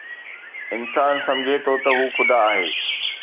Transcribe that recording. انسان سمجهي ٿو ته هو خدا آهي